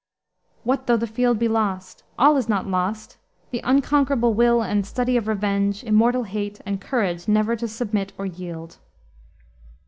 "What though the field be lost? All is not lost, the unconquerable will And study of revenge, immortal hate, And courage never to submit or yield."